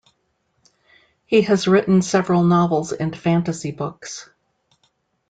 He has written several novels and fantasy books.